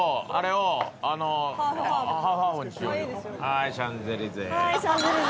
はいシャンゼリゼ。